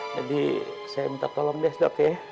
jadi saya minta tolong ya dok ya